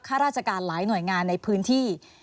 ข้าราชการหลายหน่วยงานในพื้นที่